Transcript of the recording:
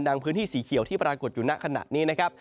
ดังพื้นที่สีเขียวที่ปรากฏอยู่หน้าขนาดนี้นะครับ